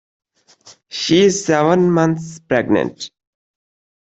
She is seven months pregnant.